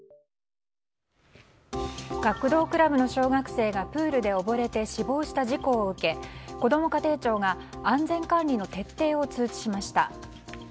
学童クラブの小学生がプールで溺れて死亡した事故を受けこども家庭庁が安全管理の徹底を通知しました。